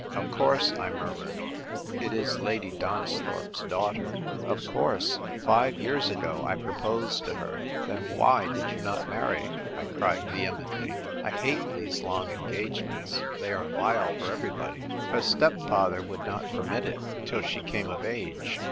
" Of course," I murmured, " it is Lady Donis thorpe's daughter." *' O, ROMEO, ROMEO !" 2 1 5 " Of course. Five years ago I proposed to her." " Then zvliy did you not marry ?" I cried vehemently. "I hate these long engagements I They are vile for everybody !"" Her stepfather v^ould not permit it till she came of age.